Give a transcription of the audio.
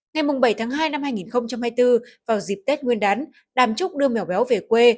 ngày bảy tháng hai năm hai nghìn hai mươi bốn vào dịp tết nguyên đán đàm trúc đưa mèo béo về quê